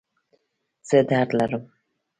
زه درد لرم